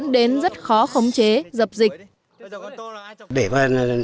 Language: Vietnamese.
đến rất khó khống chế dập dịch